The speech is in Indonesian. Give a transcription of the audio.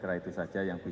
kalau dinamennya ibu